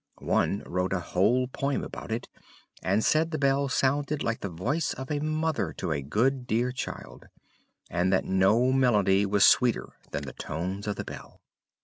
One wrote a whole poem about it, and said the bell sounded like the voice of a mother to a good dear child, and that no melody was sweeter than the tones of the bell.